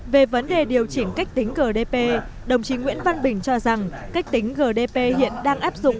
về vấn đề điều chỉnh cách tính gdp đồng chí nguyễn văn bình cho rằng cách tính gdp hiện đang áp dụng